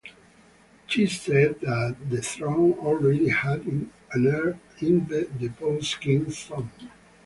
She said that the throne already had an heir in the deposed King's son.